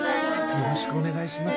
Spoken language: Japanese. よろしくお願いします。